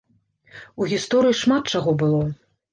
У гісторыі шмат чаго было.